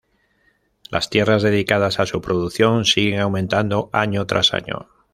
Las tierras dedicadas a su producción siguen aumentando año tras año.